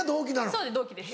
そうです同期です。